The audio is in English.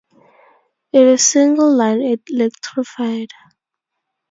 It is single line electrified.